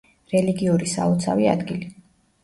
რელიგიური სალოცავი ადგილი.